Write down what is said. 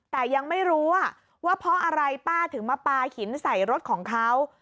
แต่ยังไม่รู้ว่าเพราะอะไรป้าถึงมาปลาหินใส่รถของเขา